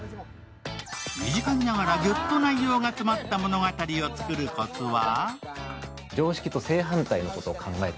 短いながらギュッと内容が詰まった物語を作るコツは？